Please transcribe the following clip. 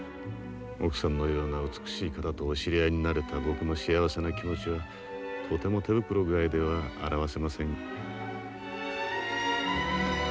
奥さんのような美しい方とお知り合いになれた僕の幸せな気持ちはとても手袋ぐらいでは表せません。